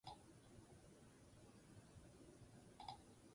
Aipaturiko artxiboak disko gogorra infektatu eta ordenagailua blokeatzen du.